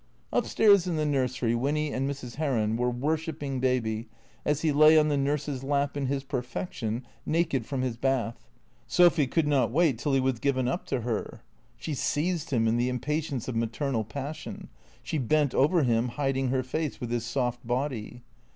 Up stairs in the nursery, Winny and Mrs. Heron were wor shipping Baby as he lay on the nurse's lap, in his perfection, naked from his bath. Sophy could not wait till he was given up to her. She seized him, in the impatience of maternal passion. She bent over him, hiding her face with his soft body.